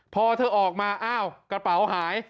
พอเธอออกมาอ้าวกระเป๋าหาย